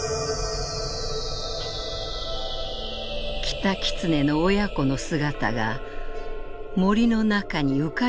「キタキツネの親子の姿が森の中に浮かび上がりました」。